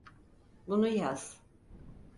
Bunu yaz.